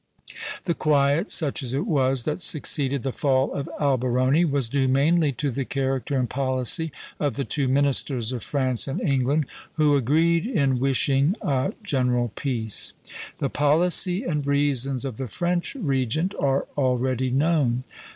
The quiet, such as it was, that succeeded the fall of Alberoni was due mainly to the character and policy of the two ministers of France and England, who agreed in wishing a general peace. The policy and reasons of the French regent are already known.